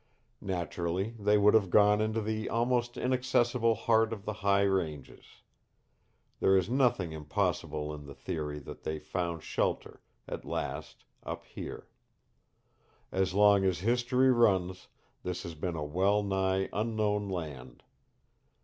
"Naturally, they would have gone into the almost inaccessible heart of the high ranges. There is nothing impossible in the theory that they found shelter at last up here. As long as history runs this has been a well nigh unknown land.